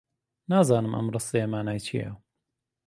نازانم ئەم ڕستەیە مانای چییە.